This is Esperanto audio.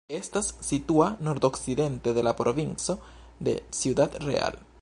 Estas situa nordokcidente de la provinco de Ciudad Real.